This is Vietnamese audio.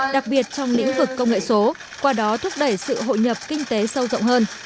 đặc biệt trong lĩnh vực công nghệ số qua đó thúc đẩy sự hội nhập kinh tế sâu rộng hơn